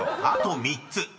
［あと３つ。